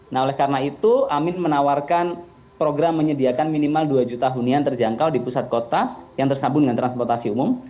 nah oleh karena itu amin menawarkan program menyediakan minimal dua juta hunian terjangkau di pusat kota yang tersambung dengan transportasi umum